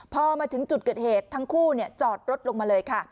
พอมาถึงจุดเกิดเหตุทั้งคู่จอดรถลงมาเลยค่ะ